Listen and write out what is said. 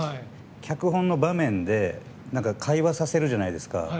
脚本の場面で会話させるじゃないですか。